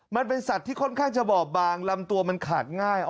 มันเป็นสัตว์ที่ค่อนข้างจะบอบบางลำตัวมันขาดง่าย